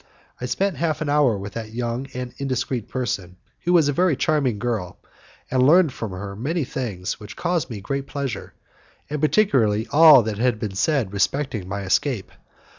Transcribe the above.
I spent half an hour with that young and indiscreet person, who was a very charming girl, and learned from her many things which caused me great pleasure, and particularly all that had been said respecting my escape.